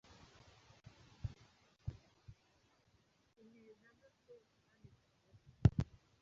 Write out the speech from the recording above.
Inteja zo se kandi zikora zite